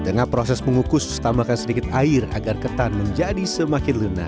tengah proses mengukus tambahkan sedikit air agar ketan menjadi semakin lengah